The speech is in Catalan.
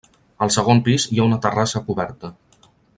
Al segon pis hi ha una terrassa coberta.